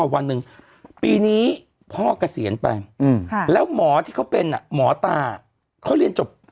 วันหนึ่งปีนี้พ่อเกษียณไปแล้วหมอที่เขาเป็นหมอตาเขาเรียนจบ